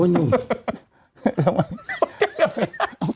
ทำไมแต่ก็ไม่ได้